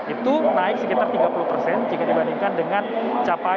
itu naik sekitar tiga puluh persen jika dibandingkan dengan capaian